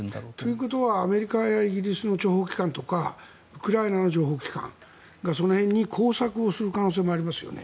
ということはアメリカやイギリスの諜報機関とかウクライナの諜報機関がその辺に工作をする可能性もありますよね。